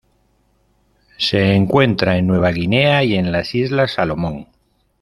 Se encuentra en Nueva Guinea y en las Islas Salomón.